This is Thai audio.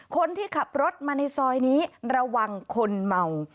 คนที่ขับรถมาในซอยนี้ระวังคนเมา